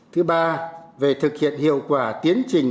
thứ ba về thực hiện hiệu quả tiến trình